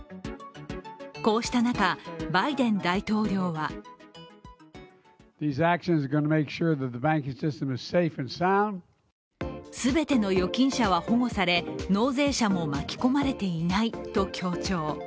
こうした中、バイデン大統領はすべての預金者は保護され納税者も巻き込まれていないと強調。